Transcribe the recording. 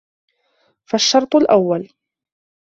فَالشَّرْطُ الْأَوَّلُ